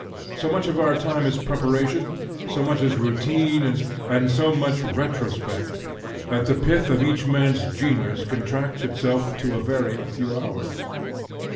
So much of our time is preparation, so much is routine, and so much retrospect, that the pith of each man's genius contracts itself to a very few hours.